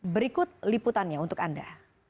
berikut liputannya untuk anda